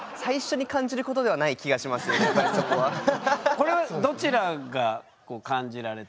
これはどちらが感じられたんですか？